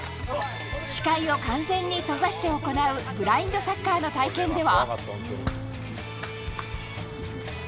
視界を完全に閉ざして行うブラインドサッカーの体験では。